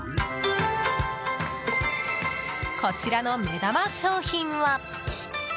こちらの目玉商品は。